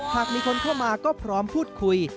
หากมีคนเข้ามาก็พร้อมพูดคุย